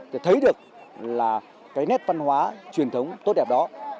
để thấy được là cái nét văn hóa truyền thống tốt đẹp đó